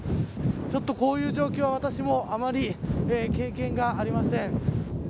ちょっとこういう状況は私もあまり経験がありません。